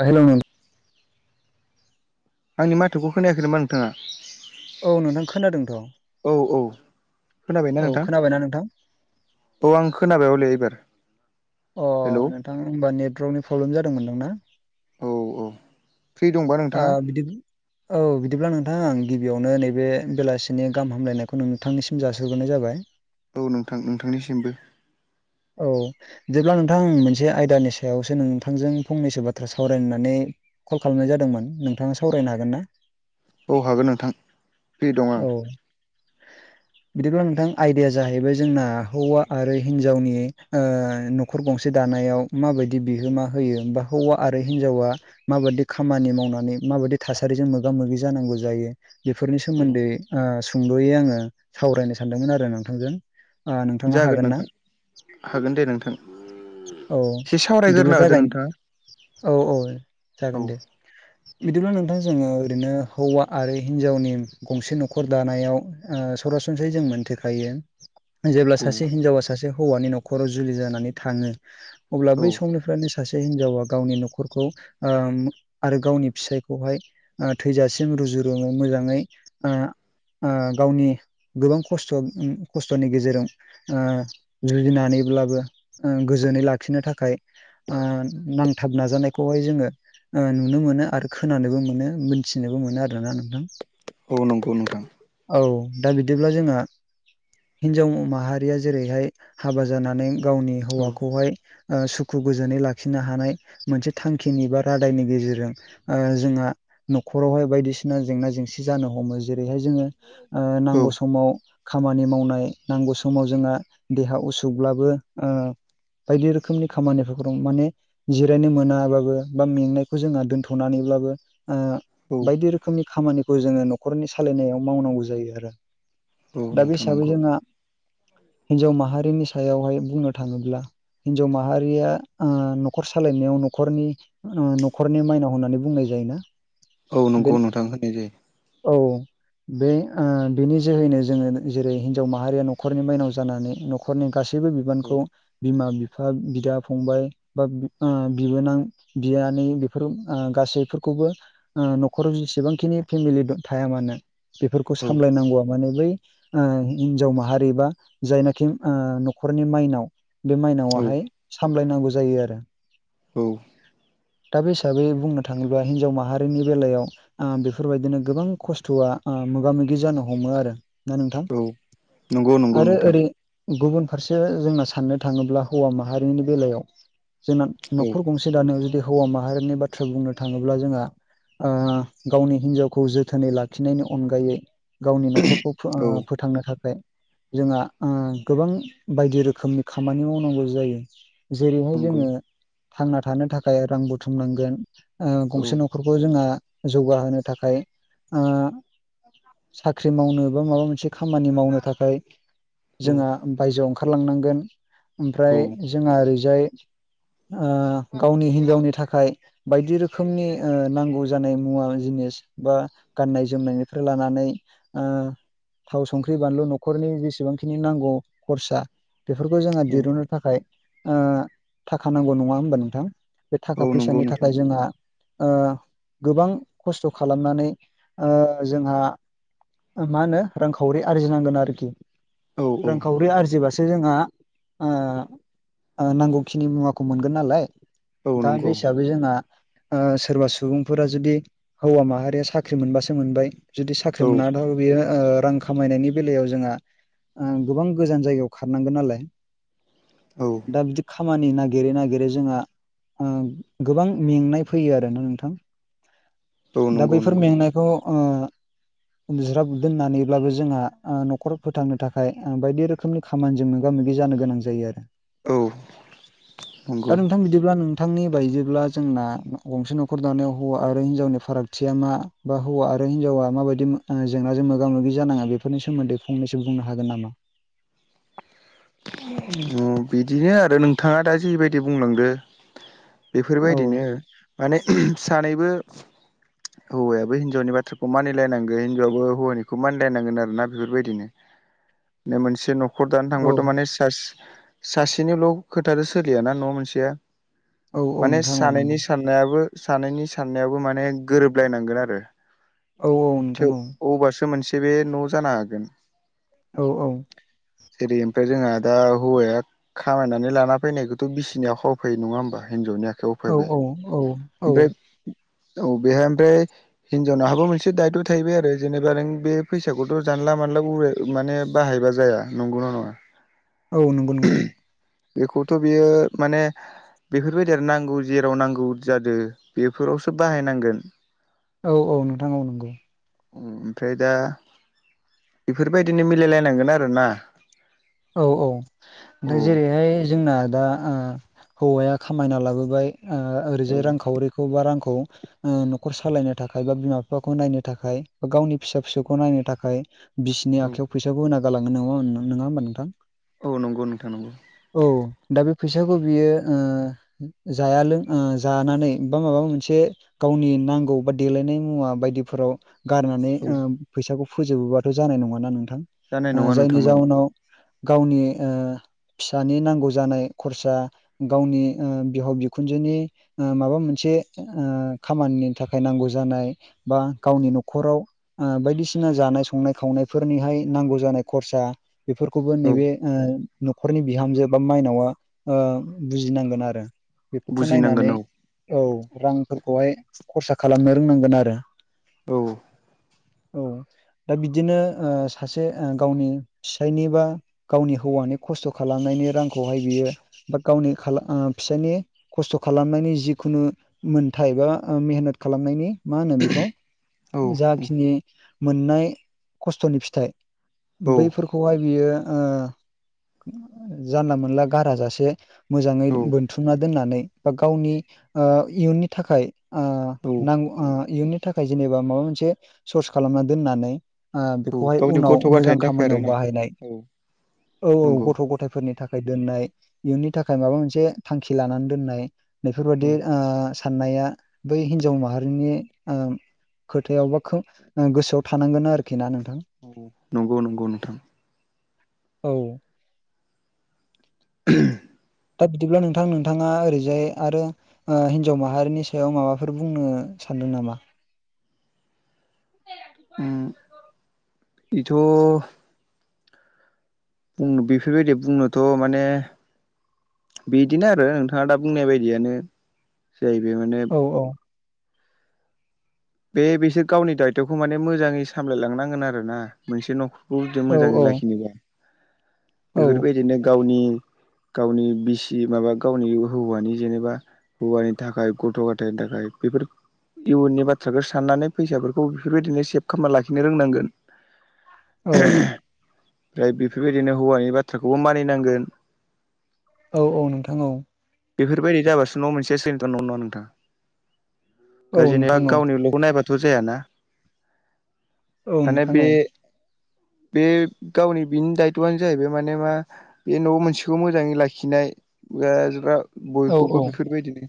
ओ हेलौ नों आंनि माथोखौ खोनायाखै नामा नोंथाङा? औ नोंथां खोनादोंथ'। औ औ खोनाबायना नोंथां? खोनाबायना नोंथां औ आं खोनाबाय हले एबार। अ हेलौ नोंथां होनबा नेटवर्कनि प्रब्लेम जादोंमोनदां ना? औ औ फ्रि दंबा अ नोंथाङा बिदिनो। औ बिदिब्ला नोंथां आं गिबियावनो नैबे बेलासिनि गाहाम हामलायनायखौ नोंथांनिसिम जासिहरग्रोनाय जाबाय। औ नोंथां नोंथांनिसिमबो। औ बिदिब्ला नोंथां मोनसे आयदानि सायावसो नोंथांजों फंनैसो बाथ्रा सावरायनो होनननै कल खालामनाय जादोंमोन नोंथाङा सावरायनो हागोन ना? औ हागोन नोंथां फ्रि दं आं। औ बिदिब्ला नोंथां आयदाया जाहैबाय जोंना हौवा आरो हिनजावनि ओ न'खर गंसे दानायाव माबायदि बिहोमा होयो बा हौवा आरो हिनजावा माबादि खामानि मावनानै माबायदि थासारिजों मोगा मोगि जानांगौ जायो बेफोरनि औ सोमोन्दै ओ सुंद'यै आङो सावरायनो सानदोंमोन आरो नोंथांजों ओ नोंथाङा जागोन हागोन ना? नोंथां हागोन दे नोंथां औ एसे बिदिब्ला सावरायगोरना जागाय होदो नोंथाङा। औ औ औ जागोन दे। बिदिब्ला नोंथां जोङो ओरैनो हौवा आरो हिनजावनि गंसे न'खर दानायाव ओ सरासनस्रायै जों मोनथिखायो जेब्ला औ सासे हिनजावा सासे हौवानि नख न'खराव जुलि जानानै थाङो अब्ला औ बै समनिफ्रायनो सासे हिनजावा गावनि न'खरखौ ओम आरो गावनि फिसायखौहाय ओ थैजासिम रुजु रुमु मोजाङै ओ ओ गावनि गोबां खस्थ 'उ खस्थ'नि गेजेरजों ओ जुजिनानैब्लाबो ओ गोजोनै लाखिनो थाखाय ओ नांथाब नाजानायखौहाय जोङो ओ नुनो मोनो आरो खोनानोबो मोनो मोनथिनोबो मोनो आरोना नोंथां। औ नंगौ नोंथां। औ दा बिदिब्ला जोंहा हिनजाव माहारिया जेरैहाय हाबा जानानै गावनि औ हौवाखौहाय ओ सुखु गोजोनै लाखिनो हानाय मोनसे थांखिनि बा रादायनि गेजेरजों ओ जोंहा न'खरावहाय बायदिसिना जेंना जेंसि जानो हमो जेरैहाय जोङो ओ औ नांगौ समाव खामानि मावनाय नांगौ समाव जोंहा देहा उसुग उसुगब्लाबो ओ बायदि रोखोमनि खामानिफोरखौ रं माने जिरायनो मोनाबाबो बा मेंनायखौ जोंहा दोन्थ'नानैब्लाबो ओ औ बायदि रोखोमनि खामानिखौ जोङो न'खरनि सालायनायाव मावनांगौ जायो आरो। औ दा बे नोंथां हिसाबै नंगौ जोंहा हिन्जाव माहारिनि सायावहाय बुंनो थाङोब्ला हिन्जाव माहारिया ओ न'खर सालायनायाव न'खरनि न'खरनि माइनाव होननानै बुंनाय जायोना। औ बे नंगौ नोंथां होनाय जायो। औ बे ओ बिनि जोहैनो जोङो जेरै हिनजाव माहारिया न'खरनि माइनाव जानानै न'खरनि गासैबो बिबानखौ औ बिमा बिफा बिदा फंबाय बा ओ बिबोनां बियानै बेफोर ओ गासैफोरखौबो ओ न'खराव जेसेबांखिनि फेमिलि द थाया मानो बेफोरखौ औ सामलायनांगौआ माने बै ओ हिनजाव माहारि बा जायनाखि ओ न'ख न'खरनि माइनाव बे माइनावाहाय औ सामलायनांगौ जायो आरो औ दा बे हिसाबै बुंनो थाङोब्ला हिन्जाव माहारिनि बेलायाव ओ बेफोरबायदिनो गोबां खस्थ'आ ओ मोगा मोगि जानो हमो आरो ना नोंथां? औ नंगौ नंगौ आरो नोंथां ओरै गुबुन फारसे जोंना साननो थाङोब्ला हौवा माहारिनि बेलायाव जोंना औ न'खर गंसे दानायाव जुदि हौवा माहारिनि बाथ्रा बुंनो थाङोब्ला जोंहा ओ गावनि हिनजावखौ जोथोनै लाखिनायनि अनगायै गावनि न'खरखौ फो औ ओ फोथांनो थाखाय जोंहा ओ गोबां बायदि रोखोमनि खामानि मावनांगौ जायो जेरैहाय नंगौ जोङो थांना थानो थाखाय रां बुथुमनांगोन ओ औ गंसे न'खरखौ जोंहा जौगाहोनो थाखाय ओ साख्रि मावनो बा माबा मोनसे खामानि मावनो थाखाय औ जोंहा बायजोआव ओंख खारलांनांगोन ओमफ्राय औ जोंहा ओरैजाय ओ गावनि हिन्जावनि थाखाय बायदि रोखोमनि ओ नांगौ जानाय मुवा जिनिस बा गाननाय जोमनायनिफ्राय लानानै ओ थाव संख्रि बानलु न'खरनि जेसेबांखिनि नांगौ खरसा बेफोरखौ जोङो औ दिरुननो थाखाय ओ थाखा नांगौ नङा होमबा नोंथां? बे औ थाखा नंगौ फैसानि नोंथां थाखाय जोंहा ओ गोबां खस्थ' खालामनानै ओ जोंहा ओ मा होनो रांखावरि आरजिनांगोन आरोखि औ औ रांखावरि आरजिबास सो जोंहा ओ ओ नांगौखिनि मुवाखौ मोनगोन नालाय औ दा नंगौ बे हिसाबै जोंआ ओ सोरबा सुबुंफोरा जुदि हौवा माहारिया साख्रि मोनबासो मोनबाय जुदि साख्रि औ मोनाथ' बेयो ओ रां खामायनायनि बेलायाव जोंआ ओ गोबां गोजान जायगायाव खारनांगोन नालाय औ दा बिदि खामानि नागिरै नागिरै जोंहा ओ गोबां मेंनाय फैयो आरोना नोंथां औ दा नंगौ बैफोर नंगौ मेंनायखौ ओ ओ ज्राब दोननानैब्लाबो जोंहा ओ न'खर फोथांनो थाखाय ओ बायदि रोखोमनि खामानिजों मोगा मोगि जानो गोनां जायो आरो औ नंगौ दा नोंथां बिदिब्ला नों नोंथांनि बायदिब्ला जोंना गंसे न'खर दानायाव हौवा आरो हिनजावनि फारागथिया मा बा हौवा आरो हिन्जावा माबायदि मो ओ जेंनाजों मोगा मोगि जानाङा बेफोरनि सोमोन्दै फंनैसो बुंनो हागोन नामा? [unintelligible] ओ बिदिनो आरो नोंथाङा दा जिबायदि बुंलांदो औ बेफोरबायदिनो माने सानैबो [inaudible] हौवायाबो हिनजावनि बाथ्राखौ मानिलायनांगोन हिनजावआबो हौवानिखौ मानिलायनांगोन आरो ना बेफोरबायदिनो ना मोनसे न'ख खर दानो औ थांबाथ' माने सास सासेनिल' खोथादो सोलियाना न' मोनसेया औ औ माने नोंथां औ सानैनि नंगौ सान नायाबो सानैनि साननायाबो माने गोरोबलायनांगोन आरो औ औ नोंथां थेव औ अबासो मोनसे बे न' जानो हागोन। औ औ जेरै ओमफ्राय जोंहा दा हौवाया खामायनानै लाना फैनायखौथ' बिसिनि आखाइयाव होफैयो नङा होमबा हिनजावनि आख खाव औ होफायबाय औ औ औ ओमफ्राय औ बेेहाय ओमफ्राय हिनजाव ना हाबो मोनसे दायथ' थाहैबाय आरो जेनेबा नों बे फैसाखौथ' जानला मानला गुराय ओ माने बाहायबा जाया नंगौ नङा औ नंगौ नोंथां। बेखौथ' बियो माने बेफोरबायदि आरो नांगौ जेराव नांगौ जादो बेफोरावसो बाहायनांगोन। औ औ नोंथां औ नंगौ ओमफ्राय दा बेफोरबायदिनो मिलायलायनांगोन आरोना। औ औ औ दा जेरैहाय जोंना दा ओ हौवाया खामायना लाबोबाय ओ औ ओरैजाय रांखावरिखौ बा रांखौ ओ न'खर सालायनो थाखाय बा बिमा बिफाखौ नायनो थाखाय बा गावनि फिसा फिसौखौ नायनो थाखाय बिसिनि औ आखायाव फैसाबो होना गालाङो नङा नङा होमबा नोंथां? औ नंगौ नोंथां नंगौ। औ दा बे फैसाखौ बियो जाया लोङा ओ जानानै बा माबा मोनसे गावनि नांगौ बा देलायनाय मुवा बायदिफोराव गारनानै ओ फैसाखौ फोजोबोबाथ' जानाय नङाना जानाय नोंथां। नङा नोंथां जायनि जाउनाव गावनि ओ फिसानि नांगौ जानाय खरसा गावनि ओ बिहाव बिखुनजोनि ओ माबा मोनसे ओ खामानिनि थाखाय नांगौ जानाय बा गावनि न'खराव ओ बायदिसिना जानाय संनाय खावनायफोरनिहाय नांगौ जानाय खरसा बेफोरखौबो औ नैबे ओ न'खरनि बिहामजो बा माइनावा ओ बुजिनांगोन आरो। बेफोरखौ बुजिनांगोन नायनानै औ औ रांफोरखौहाय खरसा खालामनो रोंनांगोन आरो। औ दा बिदिनो ओ औ सासे ओ गावनि फिसायनि बा गावनि हौवानि खस्थ' खालामनायनि रांखौहाय बियो बा गावनि खाला- ओ फिसायनि खस्थ' खालामनायनि जिखुनु मोनथाय बा ओ मेहनत खालामनायनि मा होनो बेखौ औ जाखिनि मोननाय खस्थ'नि फिथाइ औ बैफोरखौहाय बियो ओ जानला मोनला गारा जासे मोजाङै औ बोनथुमना दोननानै बा गावनि ओ इयुननि थाखाय ओ नांगौ ओ इयुननि थाखाय जेनेबा माबा मोनसे सर्स खालामना दोननानै ओ बेखौहाय गावनि उनाव गथ' मोजां गथायनि थाखाय खामानियाव आरोना बाहायनाय। औ औ औ नंगौ गथ' गथायफोरनि थाखाय दोननाय। इयुननि थाखाय माबा मोनसे थांखि लानानै दोननाय औ बेफोरबायदि साननाया बै हिन्जाव माहारिनि ओ खोथायाव बा खो- गोसोआव थानांगोन आरोखिना नोंथां। औ नंगौ नंगौ नोंथां। औ [inaudible] दा बिदिब्ला नोंथां नोंथाङा ओरैजाय आरो ओ हिन्जाव माहारिनि सायाव माबाफोर बुंनो सानदों नामा? [inaudible] ओम [inaudible] बेथ' बुं बेफोरबायदि बुंनोथ' माने बिदिनो आरो नोंथाङा दा बुंनाय बायदियानो जाहैबाय माने औ औ बे बिसोर गावनि दायथ'खौ माने मोजाङै सामलायलांनांगोन आरो ना। मोनसे न'खरखौ जुदि औ मोजाङै औ लाखिनोबा औ बेफोरबायदिनो गावनि गावनि बिसि माबा गावनि हौवानि जेनेबा हौवानि थाखाय गथ' गथायनि थाखाय बेफोर इयुननि बाथ्रा बाथ्राखौ साननानै फैसाफोरखौ बेफोरबायदिनो सेभ खालामना लाखिनो रोंनांगोन। औ ओमफ्राय बेफोरबायदिनो हौवानि बाथ्राखौबो मानिनांगोन। औ औ नोंथां औ। बेफोरबादि जाबासो न' मोनसे सोलिगोन नङा होनबा नोंथां औ दा जेनेबा नोंथां औ गावनि ल' खौ नायबाथ' जायाना औ माने नोंथां बे औ बे गावनि बिनि दायथ'आनो जाहैबाय माने मा बे न' मोनसेखौ मोजाङै लाखिनाय औ बयखौबो औ बेफोरबादिनो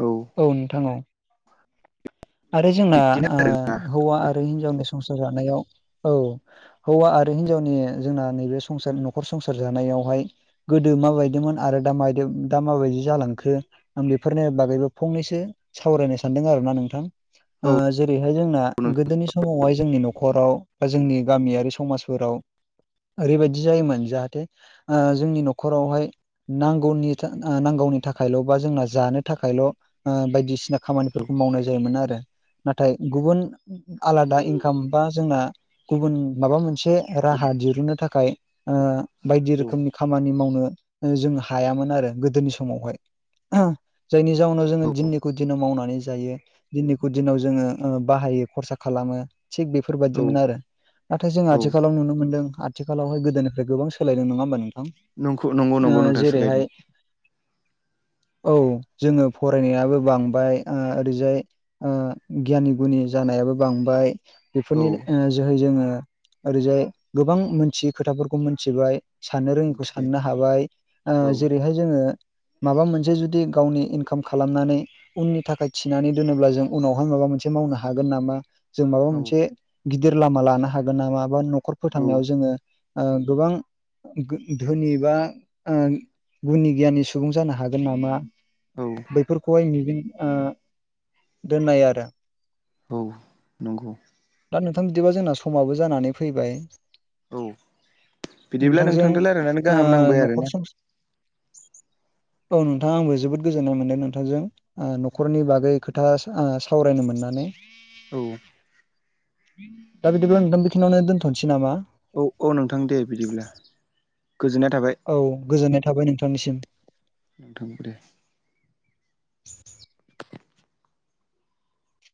औ औ नोंथां औ आरो जोंना बिदिनो आरो ओ‌ हौवा आरो हिन्जावनि संसार जानायाव औ हौवा आरो हिनजावनि जोंना नैबे संसार न'खर संसार जानायावहाय गोदो माबादिमोन आरो दा दा माबादि जालांखो आं बेफोरनि बागैबो फंनैसो सावरायनो सानदों आरोना नोंथां औ ओ जेरैहाय जोंना गोदोनि समावहाय जोंनि न'खराव बा जोंनि गामिआरि समाजफोराव ओरैबादि जायोमोन जाहाथे ओ‌ जोंनि न'खरावहाय नांगौनि नांगौनि थाखायल' बा जोंना जानो थाखायल' ओ बायदिसिना खामानिफोरखौ मावनाय जायोमोन आरो नाथाय गुबुन आलादा इनकाम बा जोंना गुबुन माबा मोनसे राहा दिरुननो थाखाय ओ बायदि औ रोखोमनि खामानि मावनो जों हायामोन आरो गोदोनि समावहाय ओ जायनि जाउनाव जोङो दिननिखौ दिनाव मावनानै जायो। दिननिखौ दिनाव जोङो ओ बाहायो खरसा खालामो थिग औ बेफोरबादिमोन आरो नाथाय जों औ आथिखालाव नुनो मोनदों आथिखालावहाय गोदोनिफ्राय गोबां सोलायदों नङा होमबा नोंथां नंगौ नंगौ नंगौ ओ नोंथां सोलायदों जेरैहाय औ जोङो फरायनायाबो बांबाय ओ ओरैजाय ओ गियानि गुनि जानायाबो बांबाय औ बेफोरनि ओ जोहै जोङो ओरैजाय गोबां मोनथियै खोथाफोरखौ मोनथिबाय साननो रोङिखौ मिथिबाय साननो हाबाय औ ओ जेरैहाय जोङो माबा मोनसे जुदि गावनि इनकाम खालामनानै उननि थाखाय थिनानै दोनोब्ला जों उनावहाय माबा मोनसे मावनो हागोन नामा जों माबा औ मोनसे गिदिर लामा लानो हागोन नामा बा नखर न'खर औ फोथांनायाव जोङो ओ गोबां धोनि बा ओ गुनि गियानि सुबुं जानो हागोन नामा? औ बैफोरखौहाय बिदिनो उम दोननाय आरो औ नंगौ दा नोंथां बिदिबा जोंना समाबो जानानै फैबाय औ बिदिब्ला नोंथांजों रायज्लायनानै ओ गाहाम नांबाय आरोना न'खर संसार औ नोंथां आंबो जोबोद गोजोननाय मोनदों नोंथांजों ओ न'खरनि बागै खोथा ओ सावरायनो मोननानै औ दा बिदिब्ला नोंथां बेखिनिआवनो दोनथ'नोसै नामा औ औ नोंथां दे बिदिब्ला गोजोननाय थाबाय औ गोजोननाय थाबाय नोंथांनिसिम नोंथां